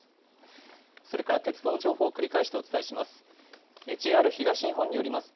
それから鉄道の情報を繰り返してお伝えします。